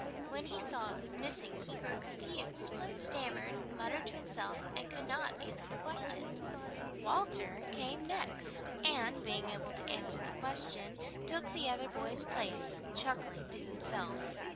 When he saw it was missing he grew confused, stammered, muttered to himself, and could not answer the question. Walter came next, and, being able to answer the question, took the other boy's place, chuckling to himself.